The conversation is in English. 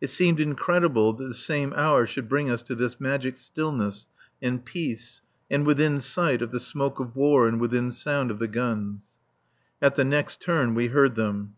It seemed incredible that the same hour should bring us to this magic stillness and peace and within sight of the smoke of war and within sound of the guns. At the next turn we heard them.